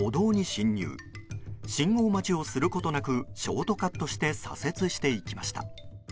信号待ちをすることなくショートカットして左折していきました。